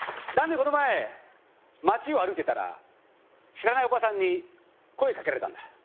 この前街を歩いてたら知らないおばさんに声かけられたんだ